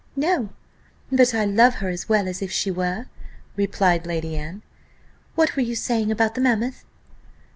"No; but I love her as well as if she were," replied Lady Anne. "What were you saying about the mammoth?"